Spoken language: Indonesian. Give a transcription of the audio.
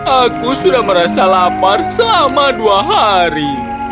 aku sudah merasa lapar selama dua hari